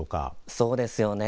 そうですよね。